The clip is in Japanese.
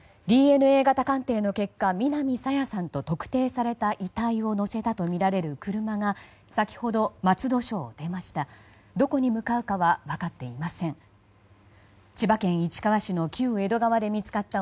ＤＮＡ型鑑定の結果南朝芽さんと特定された遺体を乗せたとみられる車が先ほど松戸署を出ました。